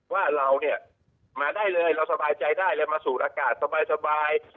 ว่าเราเนี่ยมาได้เลยเราสบายใจได้เลยมาสูดอากาศสบาย